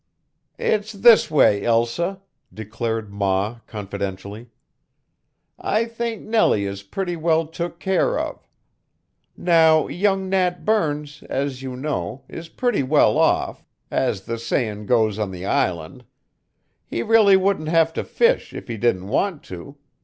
"It's this way, Elsa," declared ma confidentially. "I think Nellie is pretty well took care of. Now young Nat Burns, as you know, is pretty well off, as the sayin' goes on the island. He really wouldn't have to fish if he didn't want to.